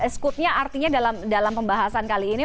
skupnya artinya dalam pembahasan kali ini